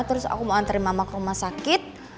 terus aku mau antri mama ke rumah sakit